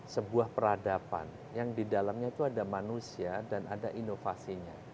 sebuah peradaban yang di dalamnya itu ada manusia dan ada inovasinya